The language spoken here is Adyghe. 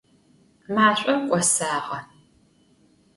Maş'or k'osağe.